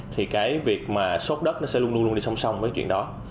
thì cái việc mà sốt đất nó sẽ luôn luôn đi song song với chuyện đó